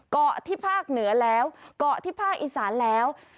เกาะที่ภาคเหนือแล้วเกาะที่ภาคอีสานแล้ว